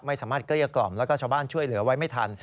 ไม่สามารถเกลี้ยกล่อมและชาวบ้านช่วยเหลือไว้ไม่ทัน